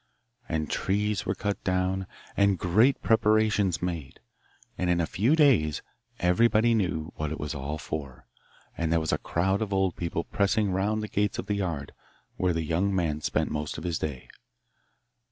And trees were cut down, and great preparations made, and in a few days everybody knew what it was all for; and there was a crowd of old people pressing round the gates of the yard, where the young man spent the most of his day.